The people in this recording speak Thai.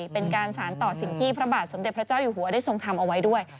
เป็นการสารต่อสิ่งที่พระบาทสมเด็จพระเจ้าอยู่หัวได้ทรงทำเอาไว้ด้วย